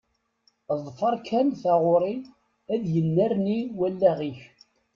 Ḍfeṛ kan taɣuṛi, ad yennerni wallaɣ-ik.